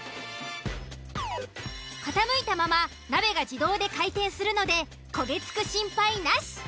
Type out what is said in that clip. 傾いたまま鍋が自動で回転するので焦げ付く心配なし！